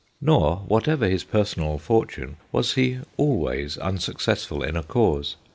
Nor, whatever his personal for tune, was he always unsuccessful in a cause.